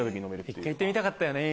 一回行ってみたかったよね。